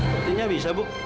sebenarnya bisa bu